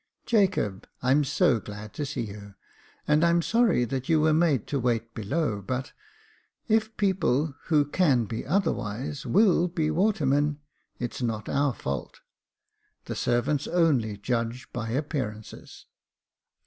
" Jacob, I'm so glad to see you, and I'm sorry that you were made to wait below, but if people who can be Jacob Faithful 339 otherwise, will be watermen, it is not our fault. The servants only judge by appearances."